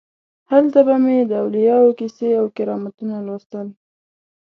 هلته به مې د اولیاو کیسې او کرامتونه لوستل.